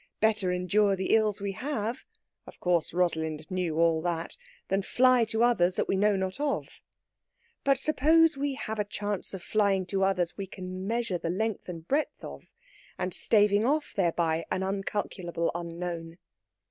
Better endure the ills we have of course, Rosalind knew all that than fly to others that we know not of. But suppose we have a chance of flying to others we can measure the length and breadth of, and staving off thereby an uncalculable unknown?